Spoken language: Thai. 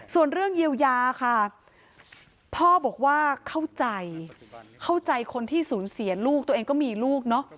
ส่วนเรื่องเยียวยาค่ะพ่อบอกว่าเข้าใจเข้าใจคนที่สูญเสียลูกตัวเองก็มีลูกเนอะ